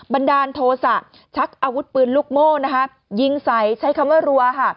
บันดาลโทษะชักอาวุธปืนลูกโม้ยิงใสใช้คำว่ารัว